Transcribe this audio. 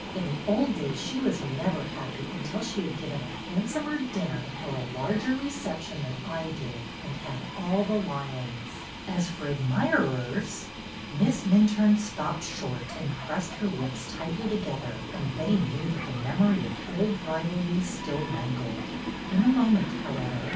In the old days she was never happy until she had given a handsomer dinner or a larger reception than I did, and had all the lions. As for admirers —" Miss Minturne stopped short and pressed her lips tightly together, and Betty knew that the memory of old rivalries still rankled. In a mo ment, however.